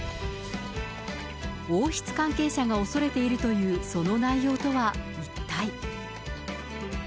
王室関係者が恐れているというその内容とは一体。